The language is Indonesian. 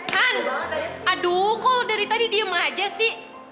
han aduh kok dari tadi diem aja sih